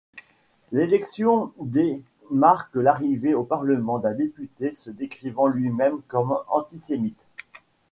L'élection d' marque l'arrivée au parlement d'un député se décrivant lui-même comme antisémite.